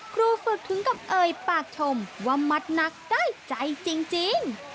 ครูฝึกถึงกับเอ่ยปากชมว่ามัดนักได้ใจจริง